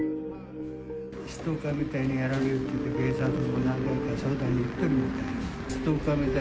ストーカーみたいにやられるって、警察に何回か相談に行ってるみたい。